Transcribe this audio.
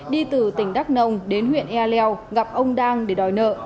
đi từ tỉnh đắk nông đến huyện ea leo gặp ông đang để đòi nợ